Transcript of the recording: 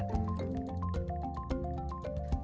kepala polres sula dan jajarannya